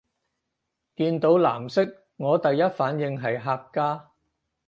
見到藍色我第一反應係客家